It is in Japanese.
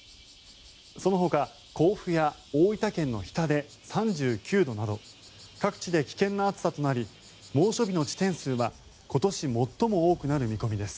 そのほか、甲府や大分県の日田で３９度など各地で危険な暑さとなり猛暑日の地点数は今年最も多くなる見込みです。